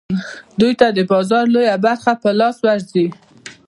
دوی ته د بازار لویه برخه په لاس ورځي